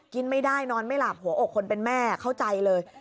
กินไม่ได้นอนไม่หลับหัวอกคนเป็นแม่เข้าใจเลย